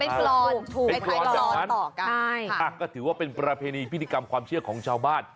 เป็นคลอนเป็นคลอนแบบนั้นถือว่าเป็นประเพณีพิธีกรรมความเชื่อของชาวบ้าน